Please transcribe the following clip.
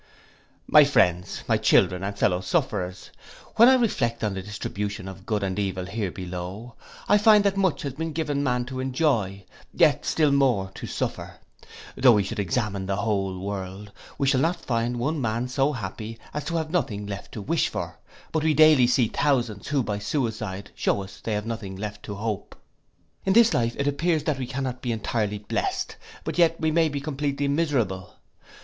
My friends, my children, and fellow sufferers, when I reflect on the distribution of good and evil here below, I find that much has been given man to enjoy, yet still more to suffer. Though we should examine the whole world, we shall not find one man so happy as to have nothing left to wish for; but we daily see thousands who by suicide shew us they have nothing left to hope. In this life then it appears that we cannot be entirely blest; but yet we may be completely miserable!